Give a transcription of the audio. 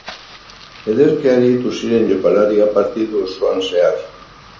Ederki aritu ziren jokalariak partidu osoan zehar